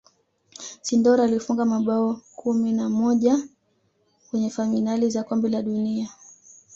sindor alifunga mabao kumi na moja kwenye fainali za kombe la dunia